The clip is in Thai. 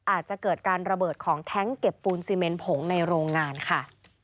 อาจจะเกิดการระเบิดของแท้งเก็บปูนซีเมนผงในโรงงานค่ะ